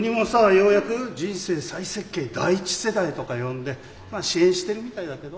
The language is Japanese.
ようやく「人生再設計第一世代」とか呼んで支援してるみたいだけど。